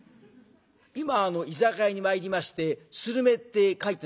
今居酒屋に参りましてスルメって書いてない。